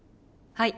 はい。